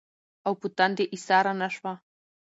او پۀ تندې ايساره نۀ شوه